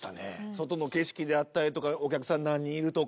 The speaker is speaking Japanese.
外の景色であったりとかお客さん何人いるとか。